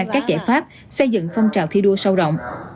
các giải pháp xây dựng phong trào thi đua sâu rộng